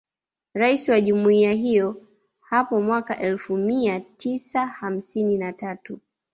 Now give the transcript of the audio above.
Rais wa Jumuiya hiyo hapo mwaka elfu mia tisa hamsini na tatu